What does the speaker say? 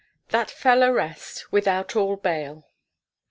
'THAT FELL ARREST, WITHOUT ALL BAIL.'